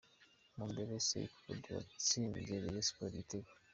Mumbele Saiba Claude watsinze Rayon Sports igitego .